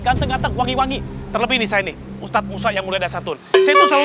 ganteng ganteng wangi wangi terlebih ini saya nih ustadz musa yang mulia dasar tun saya tuh selalu